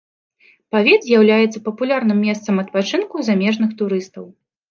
Павет з'яўляецца папулярным месцам адпачынку замежных турыстаў.